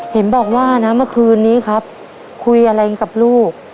เห็นบอกว่านะเมื่อคืนนี้ครับคุยอะไรกับลูก